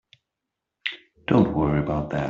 Don't worry about that.